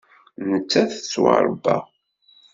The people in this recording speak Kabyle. Nettat tettwaṛebba.